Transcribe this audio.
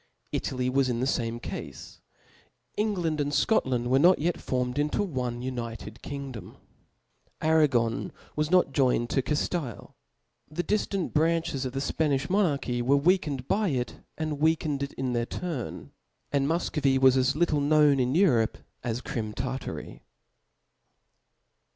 Italy was in the fame cafe. England and Scotland were not yet formed into one united kingdorh. Arra^n was not joined to Caftile ; the diftant branches of the Spanilh monarchy were weakened by it> and weak ened it in their turn ; and Mufcovy was as little known in Europe, as Crim Tartary.